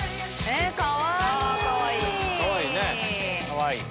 かわいい！